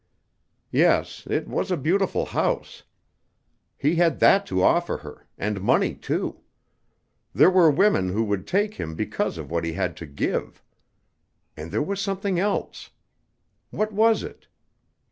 Yes, it was a beautiful house. He had that to offer her, and money too. There were women who would take him because of what he had to give. And there was something else. What was it?